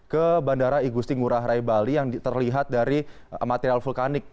ke bandara igusti ngurah rai bali yang terlihat dari material vulkanik